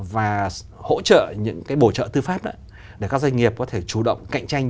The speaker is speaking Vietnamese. và hỗ trợ những cái bổ trợ tư pháp để các doanh nghiệp có thể chủ động cạnh tranh